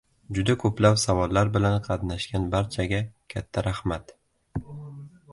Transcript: Juda koʻplab savollar bilan qatnashgan barchaga katta raxmat.